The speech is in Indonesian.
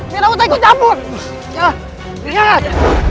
biar aku tak ikut cabut